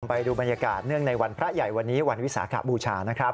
ไปดูบรรยากาศเนื่องในวันพระใหญ่วันนี้วันวิสาขบูชานะครับ